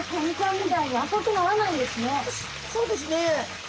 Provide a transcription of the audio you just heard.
そうですね。